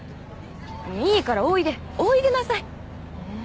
いいからおいでおいでなさいええー